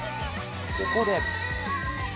ここで。